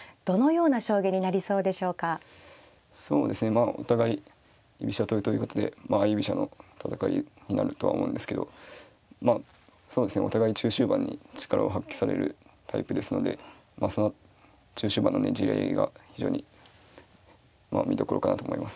まあお互い居飛車党ということで相居飛車の戦いになるとは思うんですけどまあそうですねお互い中終盤に力を発揮されるタイプですのでその中終盤のねじり合いが非常に見どころかなと思います。